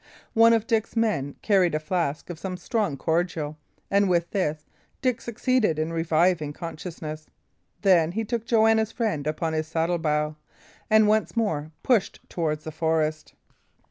One of Dick's men carried a flask of some strong cordial, and with this Dick succeeded in reviving consciousness. Then he took Joanna's friend upon his saddlebow, and once more pushed toward the forest.